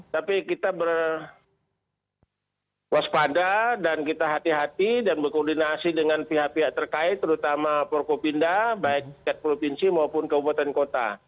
tapi kita berwaspada dan kita hati hati dan berkoordinasi dengan pihak pihak terkait terutama porco pindah baik di set provinsi maupun keupatan kota